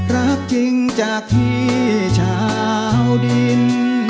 รักจริงจากที่ชาวดิน